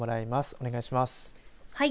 お願いします。